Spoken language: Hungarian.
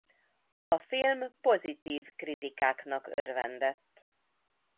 A film pozitív kritikáknak örvendett.